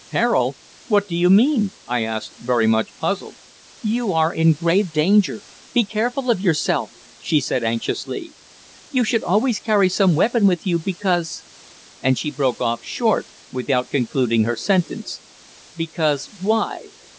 "Peril! What do you mean?" I asked, very much puzzled. "You are in grave danger. Be careful of yourself," she said anxiously. "You should always carry some weapon with you, because " and she broke off short, without concluding her sentence. "Because why?"